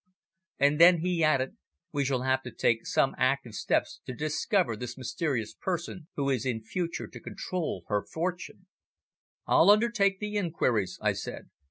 "And then," he added, "we shall have to take some active steps to discover this mysterious person who is in future to control her fortune." "I'll undertake the inquiries," I said.